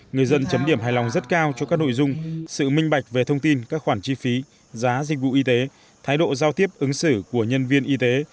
người dân chấm điểm hài lòng rất cao cho các nội dung sự minh bạch về thông tin các khoản chi phí giá dịch vụ y tế thái độ giao tiếp ứng xử của nhân viên y tế